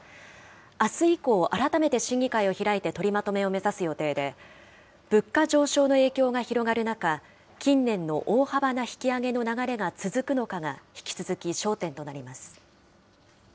あす以降、改めて審議会を開いて取りまとめを目指す予定で、物価上昇の影響が広がる中、近年の大幅な引き上げの流れが続くのかが引き続き焦点となります。